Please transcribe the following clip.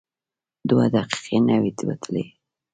دوه دقیقې نه وې وتلې.